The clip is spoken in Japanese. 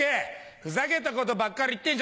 ふざけたことばっかり言ってんじゃねえ！